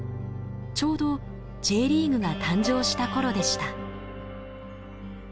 ちょうどＪリーグが誕生した頃でした。